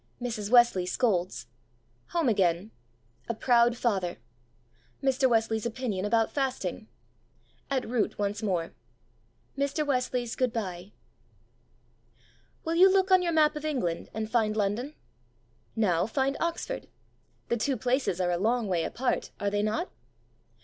Mrs. Wesley scolds. Home again. A proud father. Mr. Wesley's opinion about fasting. At Wroote once more. Mr. Wesley's "Good bye." WILL you look on your map of England and find London? Now find Oxford. The two places are a long way apart, are they not?